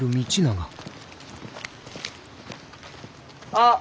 あっ！